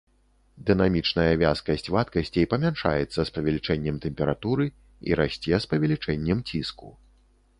Дынамічная вязкасць вадкасцей памяншаецца з павелічэннем тэмпературы і расце з павелічэннем ціску.